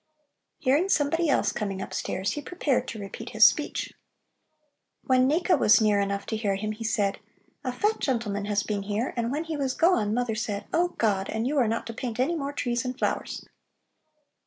Hearing somebody else coming upstairs, he prepared to repeat his speech. When Nika was near enough to hear him he said: "A fat gentleman has been here, and when he was gone mother said: 'Oh God!' and you are not to paint any more trees and flowers."